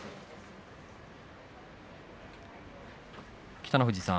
北の富士さん